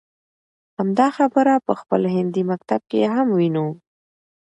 همدا خبره په خپل هندي مکتب کې هم وينو.